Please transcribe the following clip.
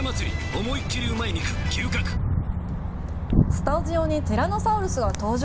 スタジオにティラノサウルスが登場？